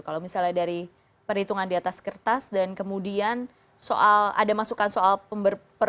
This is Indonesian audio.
kalau misalnya dari perhitungan di atas kertas dan kemudian soal ada masukan soal